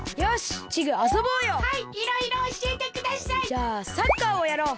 じゃあサッカーをやろう。